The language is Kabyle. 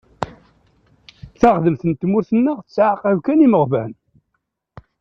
Taɣdemt n tmurt-nneɣ tettɛaqab kan imeɣban.